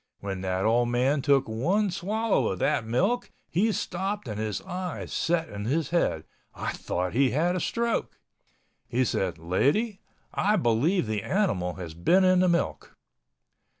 When that old man took one swallow of that milk he stopped and his eyes set in his head. I thought he had a stroke. He said, "Lady, I believe the animal has been in the milk."